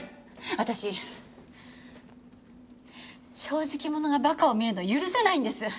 私正直者が馬鹿を見るの許せないんです！